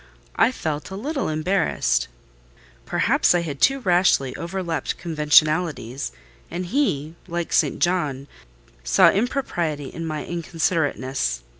I felt a little embarrassed. Perhaps I had too rashly over leaped conventionalities; and he, like St. John, saw impropriety in my inconsiderateness.